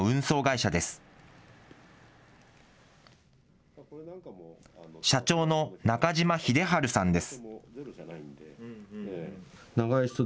社長の中島秀治さんです。